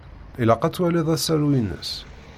Ilaq ad twaliḍ asaru-ines.